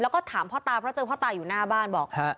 แล้วก็ถามพ่อตาเพราะเจอพ่อตาอยู่หน้าบ้านบอก